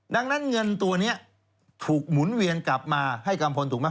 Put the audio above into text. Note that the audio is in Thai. ดังนั้นเงินตัวนี้ถูกหมุนเวียนกลับมาให้กัมพลถูกไหม